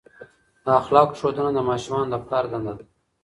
د اخلاقو ښودنه د ماشومانو د پلار دنده ده.